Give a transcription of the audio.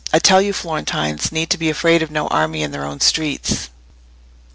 I tell you, Florentines need be afraid of no army in their own streets."